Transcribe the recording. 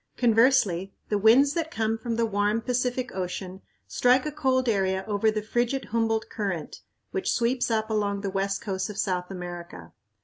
Conversely, the winds that come from the warm Pacific Ocean strike a cold area over the frigid Humboldt Current, which sweeps up along the west coast of South America.